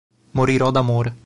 Morirò d'amore